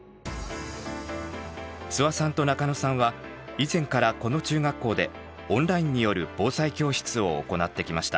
諏訪さんと中野さんは以前からこの中学校でオンラインによる防災教室を行ってきました。